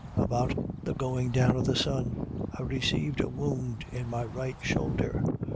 About the going down of the sun, I received a wound in my right shoulder.